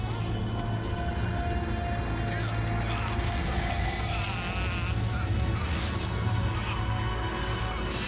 kau tak bisa menolongku